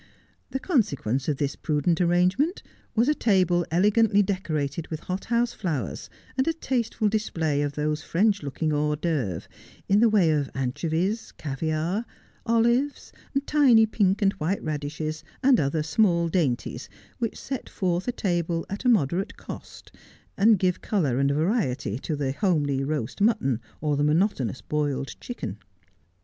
The consequence of this prudent arrangement was a table elegantly decorated with hothouse flowers, and a tasteful display of those French looking hort cVoeuvres in the way of anchovies, caviare, olives, tiny pink and An Earnest Man. 227 white radishes, and other small dainties which set forth a table at a moderate cost, and give colour and variety to the homely roast mutton, or the monotonous boiled chicken.